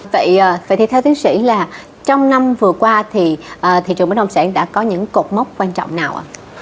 vậy thì theo tiến sĩ là trong năm vừa qua thì thị trường bất đồng sản đã có những cột mốc quan trọng nào